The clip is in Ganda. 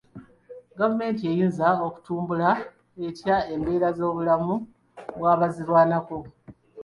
Gavumenti eyinza kutumbukla etya embera z'obulamu bw'abaazirwanako?